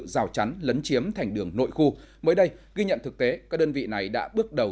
rào chắn lấn chiếm thành đường nội khu mới đây ghi nhận thực tế các đơn vị này đã bước đầu